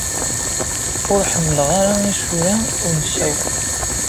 Ur ḥemmleɣ ara isura ur nessawal.